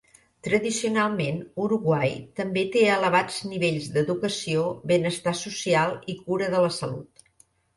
Tradicionalment, Uruguai també té elevats nivells d'educació, benestar social i cura de la salut.